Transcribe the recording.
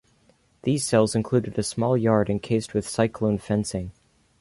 These cells included a small yard encased with cyclone fencing.